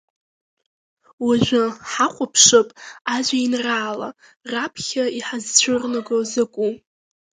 Уажәы ҳахәаԥшып ажәеинраала раԥхьа иҳазцәырнаго закәу.